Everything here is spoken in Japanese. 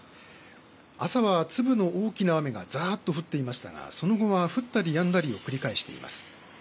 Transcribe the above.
朝は粒の大きな雨がざっと降っていましたがそのあとは降ったりやんだりを繰り返しています。